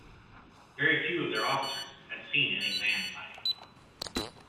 Very few of their officers had seen any land fighting.